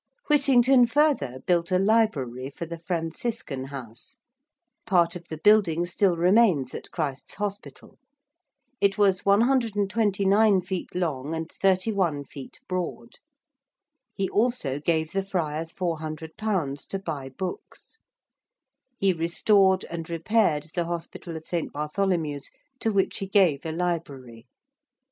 Whittington, further, built a library for the Franciscan House; part of the building still remains at Christ's Hospital. It was 129 feet long and 31 feet broad. He also gave the friars 400_l._ to buy books. He restored and repaired the Hospital of St. Bartholomew's, to which he gave a library.